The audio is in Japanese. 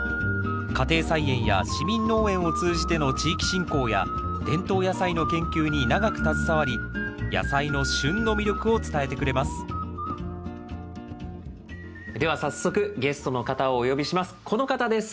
家庭菜園や市民農園を通じての地域振興や伝統野菜の研究に長く携わり野菜の旬の魅力を伝えてくれますでは早速ゲストの方をお呼びします。